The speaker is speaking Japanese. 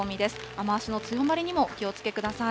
雨足の強まりにもお気をつけください。